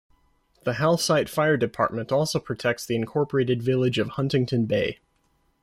The Halesite Fire Department also protects the incorporated village of Huntington Bay.